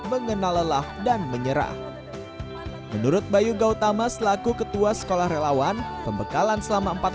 mengenal lelah dan menyerah menurut bayu gautama selaku ketua sekolah relawan pembekalan selama empat